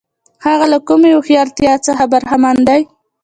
هغه له کمې هوښیارتیا څخه برخمن دی.